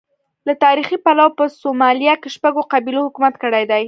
له تاریخي پلوه په سومالیا کې شپږو قبیلو حکومت کړی دی.